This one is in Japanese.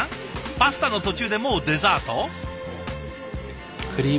パスタの途中でもうデザート？